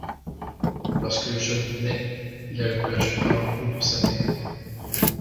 Lorsque le jeune naît, il a le pelage brun roux de sa mère.